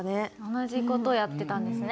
同じ事やってたんですね。